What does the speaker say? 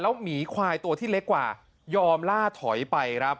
หมีควายตัวที่เล็กกว่ายอมล่าถอยไปครับ